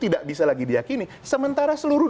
tidak bisa lagi diakini sementara seluruh